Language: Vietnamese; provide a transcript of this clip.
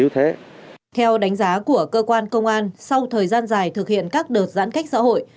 theo đánh giá của cơ quan công an sau thời gian dài thực hiện các đợt giãn cách xã hội